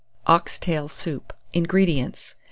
OX TAIL SOUP. 177. INGREDIENTS.